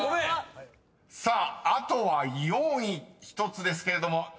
［さああとは４位１つですけれども］